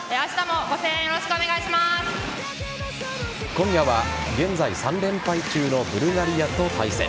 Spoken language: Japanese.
今夜は現在３連敗中のブルガリアと対戦。